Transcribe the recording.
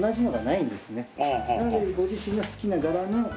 なのでご自身が好きな柄のお守りを。